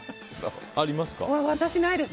私、ないです。